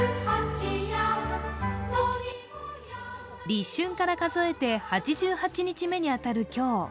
立春から数えて８８日目に当たる今日。